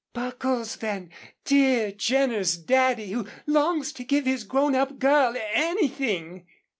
"Buckles, then, dear generous Daddy who longs to give his grown up girl ANYTHING!"